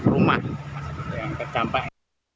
enam delapan rumah yang tercampur